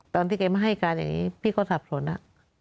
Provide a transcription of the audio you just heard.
ตอนที่แกมาให้การอย่างนี้พี่ก็สับสนอะ